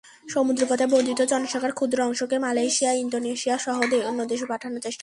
সমুদ্রপথে বর্ধিত জনসংখ্যার ক্ষুদ্র অংশকে মালয়েশিয়া, ইন্দোনেশিয়াসহ অন্যান্য দেশে পাঠানোর চেষ্টা করেছেন।